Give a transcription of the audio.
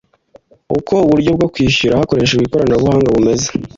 uko uburyo bwo kwishyura hakoreshejwe ikoranabuhanga bumeze